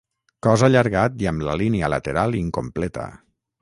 Cos allargat i amb la línia lateral incompleta.